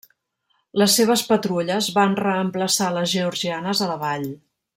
Les seves patrulles van reemplaçar les georgianes a la vall.